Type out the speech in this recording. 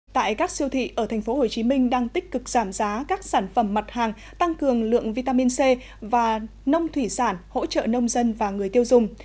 tại các siêu thị ở tp hcm đang tích cực giảm giá các sản phẩm mặt hàng tăng cường lượng vitamin c và nông thủy sản hỗ trợ nông dân và người tiêu dùng